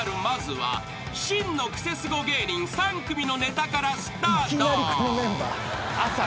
まずは真のクセスゴ芸人３組のネタからスタート］